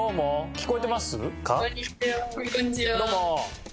聞こえてますか？